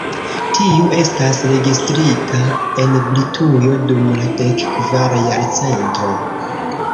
Tiu estas registrita en Britujo dum la dek kvara jarcento.